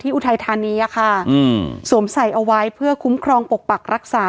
อุทัยธานีอะค่ะอืมสวมใส่เอาไว้เพื่อคุ้มครองปกปักรักษา